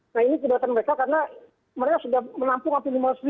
nah ini keberatan mereka karena mereka sudah menampung hampir lima ratus pengungsi